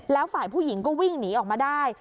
แล้วฝ่ายผู้หญิงก็วิ่งหนีออกมาได้